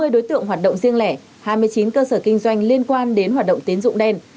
một trăm bốn mươi đối tượng hoạt động riêng lẻ hai mươi chín cơ sở kinh doanh liên quan đến hoạt động tín dụng đen